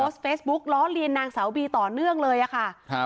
มีโพสต์เฟซบุ๊กล้อเลี่ยนนางสาวบีต่อเนื่องเลยค่ะ